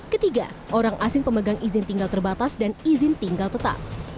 ketiga orang asing pemegang izin tinggal terbatas dan izin tinggal tetap